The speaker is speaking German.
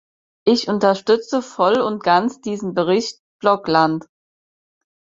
Ich unterstütze voll und ganz diesen Bericht Blokland.